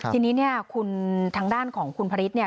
ทีนี้เนี่ยคุณทางด้านของคุณพระฤทธิเนี่ย